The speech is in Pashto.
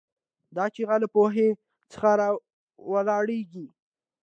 دا چیغه له پوهې څخه راولاړېږي.